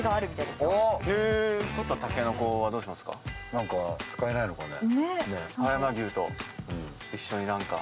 何か使えないのかね。